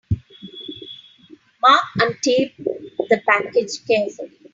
Mark untaped the package carefully.